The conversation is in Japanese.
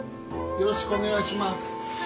よろしくお願いします。